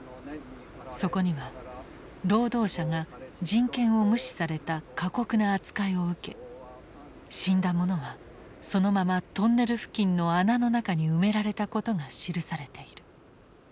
そこには労働者が人権を無視された過酷な扱いを受け死んだ者はそのままトンネル付近の穴の中に埋められたことが記されている。